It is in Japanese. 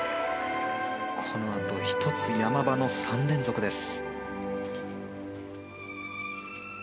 このあと、１つ山場の３連続です。